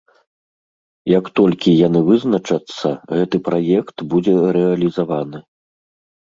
Як толькі яны вызначацца, гэты праект будзе рэалізаваны.